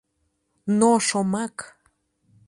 Но шомак